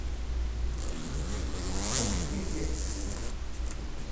Ad t-teg.